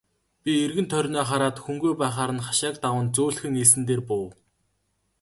Би эргэн тойрноо хараад хүнгүй байхаар нь хашааг даван зөөлхөн элсэн дээр буув.